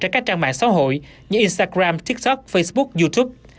trên các trang mạng xã hội như instagram tiktok facebook youtube